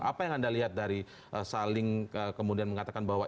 apa yang anda lihat dari saling kemudian mengatakan bahwa